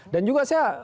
dan juga saya